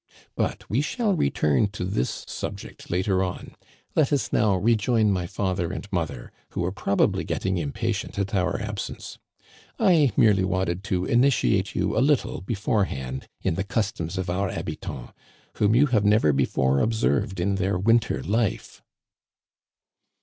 But we shall return to this subject later on ; let us now rejoin my father and mother, who are probably getting impatient at our absence. I merely wanted to initiate you a little beforehand in the customs of our habitants^ whom you have never before observed in their winter life."